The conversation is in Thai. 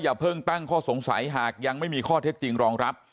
เพิ่งตั้งข้อสงสัยหากยังไม่มีข้อเท็จจริงรองรับ